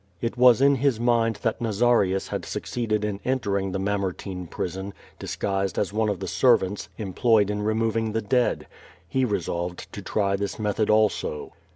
It was in his mind that Nazarius had succeeded in entering the Mamertine prison, disguised as one of the servants, em ployed in removing the dead. He resolved to try this method also.